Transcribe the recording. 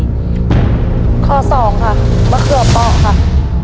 ป๒ครับมะเขือเปราะครับ